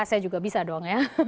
saya juga bisa dong ya